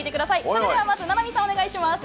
それではまず菜波さん、お願いします。